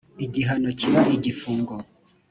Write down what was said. igihano kiba igifungo